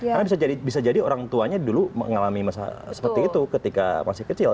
karena bisa jadi orang tuanya dulu mengalami masa seperti itu ketika masih kecil